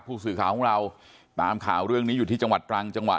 ผู้สื่อข่าวของเราตามข่าวเรื่องนี้อยู่ที่จังหวัดตรังจังหวัด